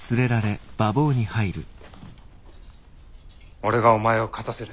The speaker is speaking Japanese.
俺がお前を勝たせる。